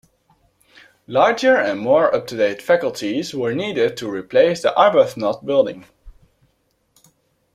Larger and more up-to-date facilities were needed to replace the Arbuthnot building.